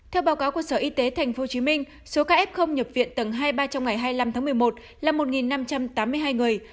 theo báo cáo của sở y tế tp hcm số ca f không nhập viện tầng hai ba trong ngày hai mươi năm tháng một mươi một là một năm trăm tám mươi hai người